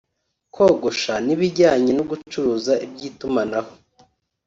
kogosha n’ibijyanye no gucuruza iby’itumanaho